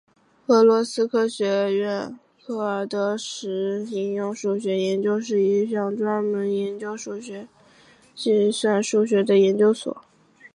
俄罗斯科学院克尔德什应用数学研究所是一所专门研究计算数学的研究所。